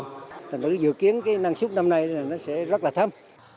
chất khóa tầng tử dự kiến cái năng suất năm nay là nó sẽ rất là thâm